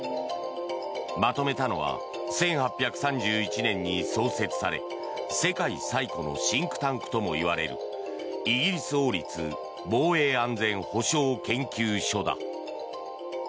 まとめたのは１８３１年に創設され世界最古のシンクタンクともいわれるイギリス王立防衛安全保障研究所だ。